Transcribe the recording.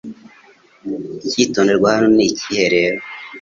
Icyitonderwa hano nicyihe rero